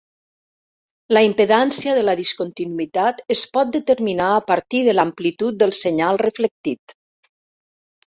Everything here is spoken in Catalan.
La impedància de la discontinuïtat es pot determinar a partir de l'amplitud del senyal reflectit.